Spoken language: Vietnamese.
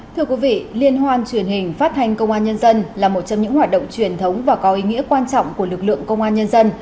thưa quý vị liên hoan truyền hình phát thanh công an nhân dân là một trong những hoạt động truyền thống và có ý nghĩa quan trọng của lực lượng công an nhân dân